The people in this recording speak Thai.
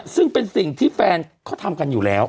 ซึ่งเป็นสิ่งที่แฟนเขาทำกันอยู่แล้ว